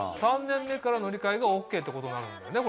３年目から乗り換えがＯＫってことになるんだよね。